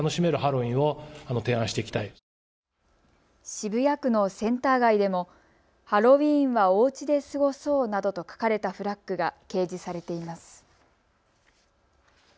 渋谷区のセンター街でもハロウィーンはおうちで過ごそうなどと書かれたフラッグが掲示されています。